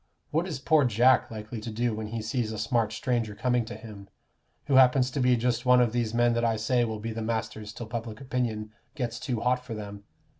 What is poor Jack likely to do when he sees a smart stranger coming to him, who happens to be just one of these men that I say will be the masters till public opinion gets too hot for them?